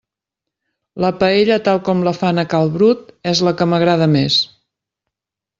La paella tal com la fan a cal Brut és la que m'agrada més.